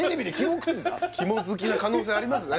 肝好きな可能性ありますね